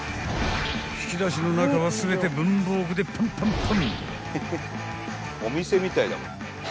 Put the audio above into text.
［引き出しの中は全て文房具でパンパンパン］